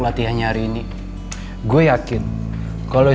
baik kita penting ngerjain sekotongan